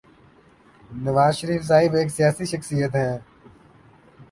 نواز شریف صاحب ایک سیاسی شخصیت ہیں۔